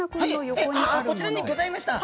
こちらにギョざいました。